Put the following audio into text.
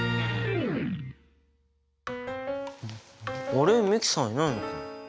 あれ美樹さんいないの？